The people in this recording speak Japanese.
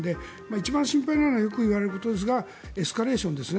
一番心配なのはよく言われることですがエスカレーションですね。